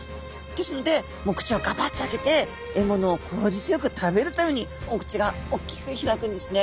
ですのでもう口をがばっと開けて獲物を効率よく食べるためにお口がおっきく開くんですね。